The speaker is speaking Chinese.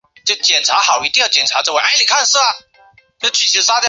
鸭跖草状凤仙花为凤仙花科凤仙花属下的一个种。